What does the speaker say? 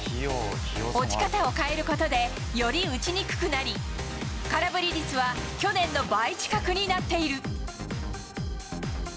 落ち方を変えることで、より打ちにくくなり、空振り率は去年の倍近くになっている。